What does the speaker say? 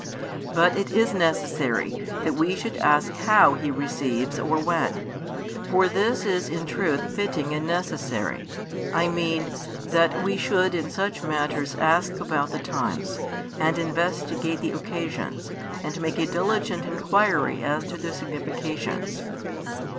But it is necessary that we should ask how He receives or when: for this is in truth fitting and necessary, I mean, that we should in such matters ask about the times, and investigate the occasions, and make a diligent inquiry as to their significations.